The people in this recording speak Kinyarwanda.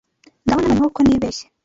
Ndabona noneho ko nibeshye.